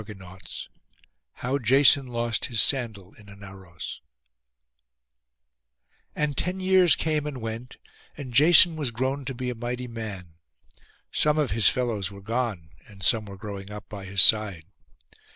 PART II HOW JASON LOST HIS SANDAL IN ANAUROS And ten years came and went, and Jason was grown to be a mighty man. Some of his fellows were gone, and some were growing up by his side.